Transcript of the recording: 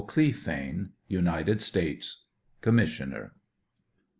CLBPHANE, United States Commissioner.